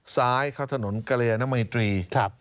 ซ้ายเข้าถนนกะเลยน้ำมิตรี